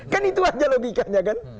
kan itu aja logikanya kan